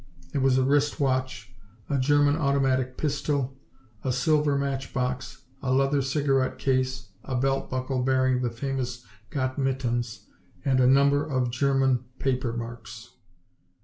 There was a wrist watch, a German automatic pistol, a silver match box, a leather cigarette case, a belt buckle bearing the famous "Gott Mit Uns" and a number of German paper marks.